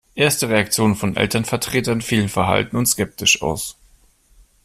Erste Reaktionen von Elternvertretern fielen verhalten und skeptisch aus.